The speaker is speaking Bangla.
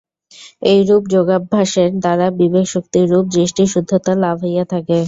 এইরূপ যোগাভ্যাসের দ্বারা বিবেকশক্তিরূপ দৃষ্টির শুদ্ধতা লাভ হইয়া থাকে।